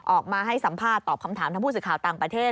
ออกมาให้สัมภาษณ์ตอบคำถามทั้งผู้สื่อข่าวต่างประเทศ